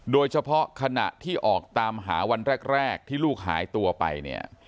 โดยเฉพาะขณะที่ออกตามหาวันแรกที่ลูกหายตัวไปเนี่ย